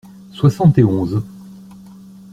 Soixante et onze.